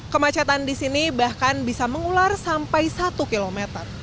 kemacetan di sini bahkan bisa mengular sampai satu km